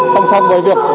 song sang với việc